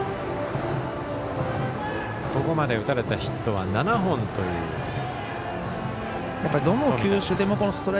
ここまで打たれたヒットは７本という冨田です。